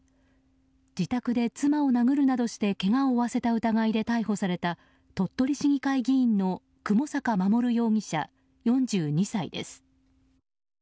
自宅で妻を殴るなどしてけがを負わせた疑いで逮捕された、鳥取市議会議員の雲坂衛容疑者、４２歳です。